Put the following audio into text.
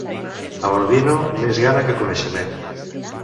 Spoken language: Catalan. A Ordino, més gana que coneixement.